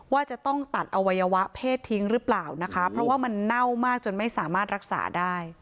ว่าจะต้องตัดอวัยวะเพศทิ้งหรือเปล่านะคะเพราะว่ามันเน่ามากจนไม่สามารถรักษาได้